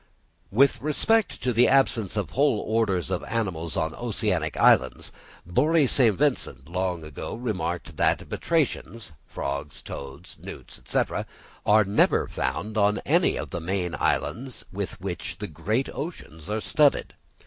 _ With respect to the absence of whole orders of animals on oceanic islands, Bory St. Vincent long ago remarked that Batrachians (frogs, toads, newts) are never found on any of the many islands with which the great oceans are studded.